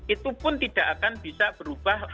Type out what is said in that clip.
itu pun tidak akan bisa berubah